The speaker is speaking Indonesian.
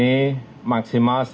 terima kasih pak presiden